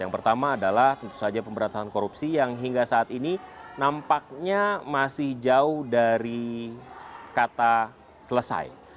yang pertama adalah tentu saja pemberantasan korupsi yang hingga saat ini nampaknya masih jauh dari kata selesai